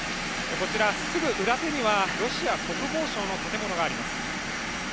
こちら、すぐ裏手にはロシア国防省の建物があります。